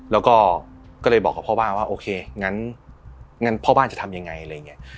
แล้วก็ก็เลยบอกกับพ่อบ้านว่าโอเคงั้นพ่อบ้านจะทำยังไงอะไรอย่างนี้